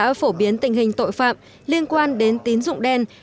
hội nghị tỉnh hà nam đã phổ biến tình hình tội phạm liên quan đến tín dụng đen